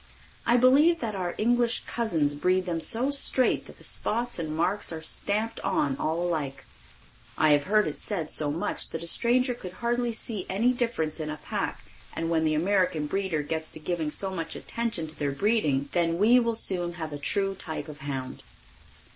I believe that our English cousins breed them so straight that the spots and marks are stamped on all alike. I have heard it said so much that a stranger could hardly see any difference in a pack and when the American breeder gets to giving so much attention to their breeding, then we will soon have a true type of hound.